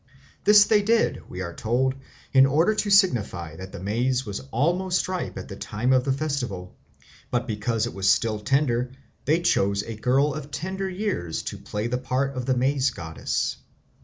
This they did, we are told, in order to signify that the maize was almost ripe at the time of the festival, but because it was still tender they chose a girl of tender years to play the part of the Maize Goddess.